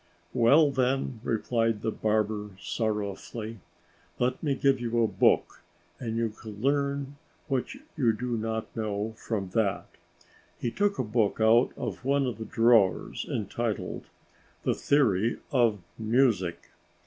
"Well, then," replied the barber, sorrowfully, "let me give you a book and you can learn what you do not know from that." He took a book out of one of the drawers, entitled, "The Theory of Music."